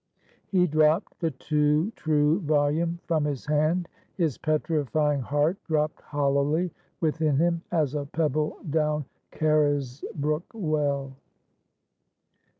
He dropped the too true volume from his hand; his petrifying heart dropped hollowly within him, as a pebble down Carrisbrook well.